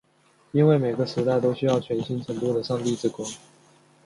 因为每个时代都需要全新程度的上帝之光。